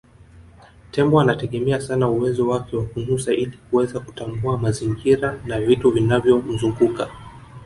Tembo anategemea sana uwezo wake wa kunusa ili kuweza kutambua mazingira na vitu vinavyomzunguka